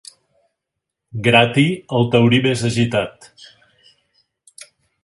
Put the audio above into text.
Grati el taurí més agitat.